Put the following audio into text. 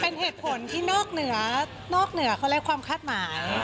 เป็นเหตุผลที่นอกเหนือนอกเหนือเขาเรียกความคาดหมาย